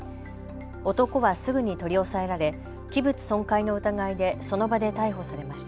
男はすぐに取り押さえられ器物損壊の疑いでその場で逮捕されました。